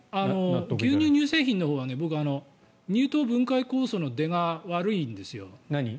牛乳・乳製品のほうは僕、乳糖分解酵素の出が悪いんですよ。